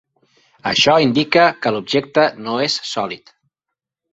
Això indica que l'objecte no és sòlid.